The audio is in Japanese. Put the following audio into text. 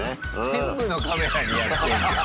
全部のカメラにやってんじゃん。